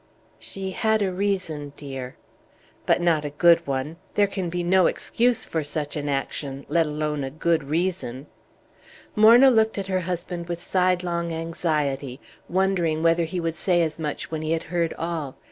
"She had a reason, dear." "But not a good one! There can be no excuse for such an action, let alone a good reason!" Morna looked at her husband with sidelong anxiety, wondering whether he would say as much when he had heard all.